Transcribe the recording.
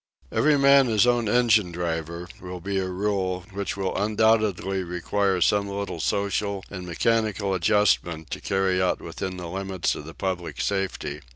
"Every man his own engine driver" will be a rule which will undoubtedly require some little social and mechanical adjustment to carry out within the limits of the public safety.